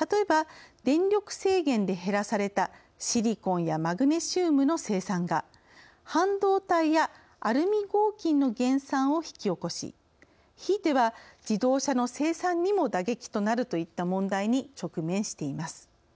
例えば、電力制限で減らされたシリコンやマグネシウムの生産が半導体やアルミ合金の減産を引き起こしひいては、自動車の生産にも打撃となるといった問題に直面しています。